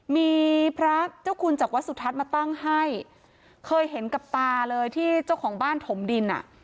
มีพระเจ้าคุณจากวัดสุทัศน์มาตั้งให้เคยเห็นกับตาเลยที่เจ้าของบ้านถมดินอ่ะ